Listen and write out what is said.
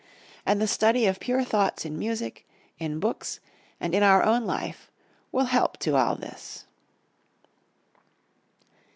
And the study of pure thoughts in music, in books, and in our own life will help to all this.